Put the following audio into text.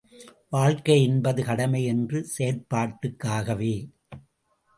வாழ்க்கை என்பது கடமை என்ற செயற்பாட்டுக் காகவே.